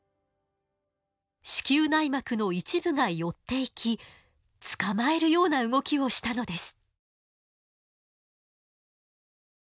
子宮内膜の一部が寄っていき捕まえるような動きをしたのです。